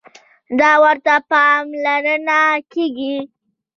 دا ورته پاملرنه کېږي.